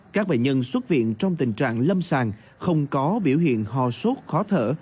các bệnh nhân xuất viện trong tình trạng lâm sàng không có biểu hiện ho sốt khó thở